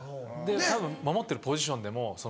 たぶん守ってるポジションでも空間。